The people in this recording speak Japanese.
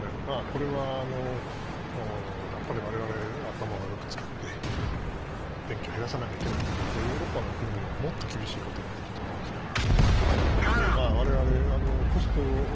これは我々は頭をよく使って電気を減らさないといけないと思うのでヨーロッパの国々はもっと厳しいことをやっていると思いますから。